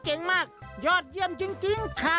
สวัสดีครับ